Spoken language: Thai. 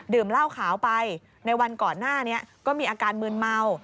เหล้าขาวไปในวันก่อนหน้านี้ก็มีอาการมืนเมา